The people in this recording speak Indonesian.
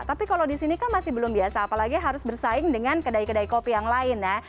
tapi kalau di sini kan masih belum biasa apalagi harus bersaing dengan kedai kedai kopi yang lain ya